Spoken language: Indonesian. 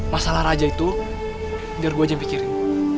masalah raja itu biar gue aja pikirin